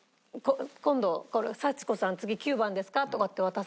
「今度さち子さん次９番ですか？」とかって渡されて。